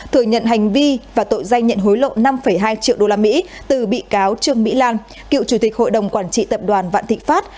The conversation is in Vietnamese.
thừa nhận hành vi và tội danh nhận hối lộ năm hai triệu usd từ bị cáo trương mỹ lan cựu chủ tịch hội đồng quản trị tập đoàn vạn thị pháp